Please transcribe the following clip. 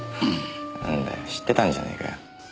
なんだよ知ってたんじゃねえかよ。